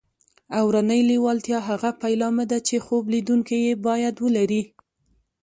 اورنۍ لېوالتیا هغه پیلامه ده چې خوب لیدونکي یې باید ولري